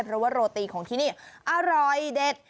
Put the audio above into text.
เพราะว่าโรตีของที่นี่อร่อยเด็ด